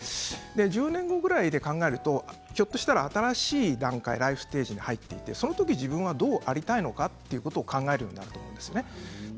１０年後ぐらいで考えるとひょっとしたら新しい段階ライフステージに入っていてその時、自分はどうありたいのかということ考えるんだと思うんですね。